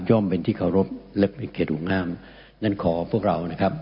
ย่อมเป็นที่เคารพและเป็นเขตุง่ามนั่นขอพวกเรานะครับ